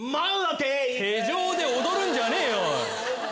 手錠で踊るんじゃねえよ！